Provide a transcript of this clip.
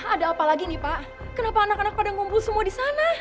ada apa lagi nih pak kenapa anak anak pada ngumpul semua di sana